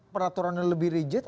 peraturan yang lebih rigid